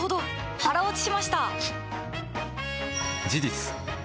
腹落ちしました！